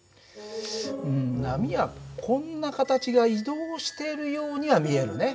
波はこんな形が移動しているようには見えるね。